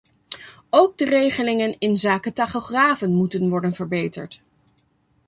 Ook de regelingen inzake tachografen moeten worden verbeterd.